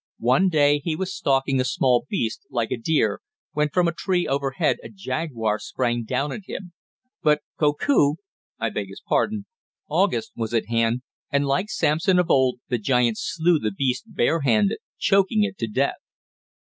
One day he was stalking a small beast, like a deer, when, from a tree overhead, a jaguar sprang down at him. But Koku I beg his pardon August was at hand, and, like Sampson of old, the giant slew the beast bare handed, choking it to death.